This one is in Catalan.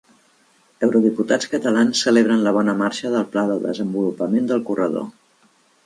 Eurodiputats catalans celebren la bona marxa del pla de desenvolupament del Corredor